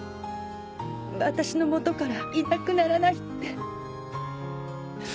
私の元からいなくならないって。